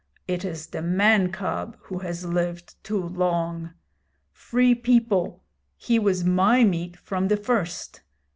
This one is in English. It is the man cub who has lived too long. Free People, he was my meat from the first.